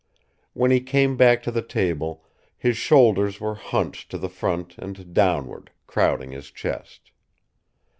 When he came back to the table, his shoulders were hunched to the front and downward, crowding his chest.